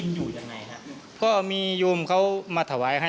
ทำไมถึงต้องได้เฝ้าไว